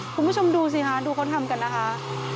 คุณผู้ชมดูสิคะดูเขาทำกันนะคะ